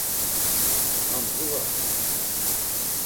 Ham zuğa reni?